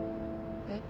えっ？